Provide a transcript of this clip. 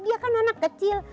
dia kan anak kecil